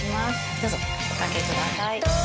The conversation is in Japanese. どうぞお掛けください。